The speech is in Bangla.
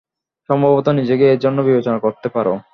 সম্ভবত নিজেকেই এর জন্য বিবেচনা করতে পারো।